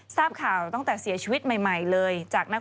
ทราบข่าวตั้งแต่เสียชีวิตใหม่เลยจากนัก